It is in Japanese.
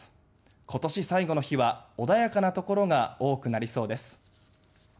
今年、最後の日は穏やかなところが多くなりそうです。